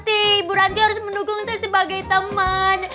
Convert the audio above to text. berarti ibu ranti harus mendukung saya sebagai teman